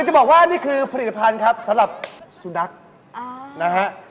จะบอกว่านี่คือผลิตภัณฑ์ครับสำหรับสุนัขนะฮะ